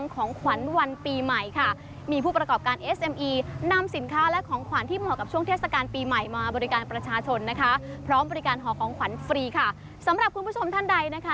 ของขวัญที่เหมาะกับช่วงเทศกาลปีใหม่มาบริการประชาชนนะคะพร้อมบริการห่อของขวัญฟรีค่ะสำหรับคุณผู้ชมท่านใดนะคะ